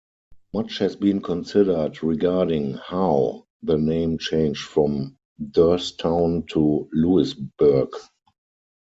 Much has been considered regarding 'how' the name changed from Derrstown to Lewisburg.